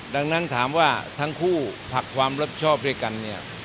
ดังนั้นถามว่าทั้งคู่ผลักความรับชอบด้วยกันเนี่ย